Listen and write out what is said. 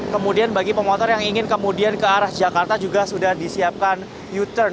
kemudian bagi pemotor yang ingin kemudian ke arah jakarta juga sudah disiapkan u turn